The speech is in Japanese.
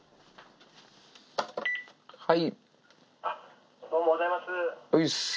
はい。